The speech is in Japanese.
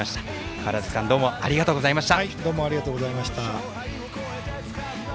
川原崎さんどうもありがとうございました。